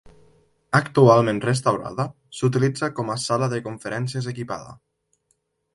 Actualment restaurada s'utilitza com a Sala de conferències equipada.